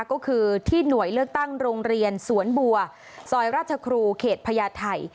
ก็คือที่หน่วยเลือกตั้งโรงเรียนสวนบัวซอยราชครูเขตพญาไทย